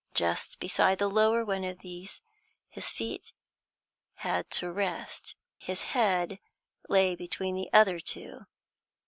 Just beside the lower one of these his feet had to rest; his head lay between the other two.